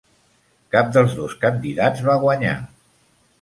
Cap dels dos candidats va guanyar.